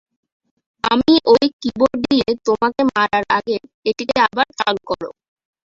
আমি ওই কীবোর্ড দিয়ে তোমাকে মারার আগে এটিকে আবার চালু কর।